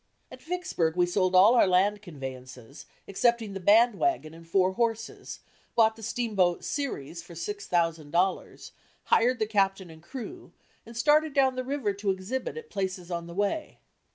At Vicksburg we sold all our land conveyances, excepting the band wagon and four horses, bought the steamboat "Ceres" for six thousand dollars, hired the captain and crew, and started down the river to exhibit at places on the way.